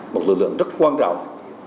một lực lượng rất quan trọng